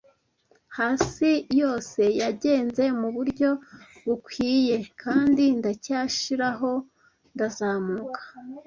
Hasi yose yagenze muburyo bukwiye , kandi ndacyashiraho ndazamuka.